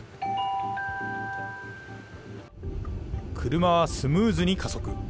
車はスムーズに加速。